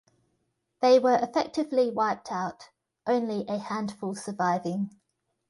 They were effectively wiped out, only a handful surviving.